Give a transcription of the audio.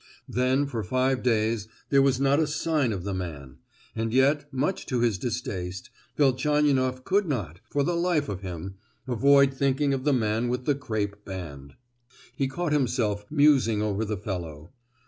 Then, for five days there was not a sign of the man; and yet, much to his distaste, Velchaninoff could not, for the life of him, avoid thinking of the man with the crape band. He caught himself musing over the fellow.